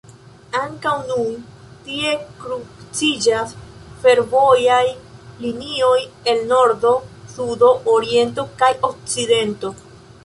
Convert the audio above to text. Ankaŭ nun tie kruciĝas fervojaj linioj el nordo, sudo, oriento kaj okcidento.